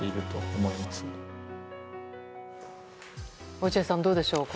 落合さん、どうでしょう？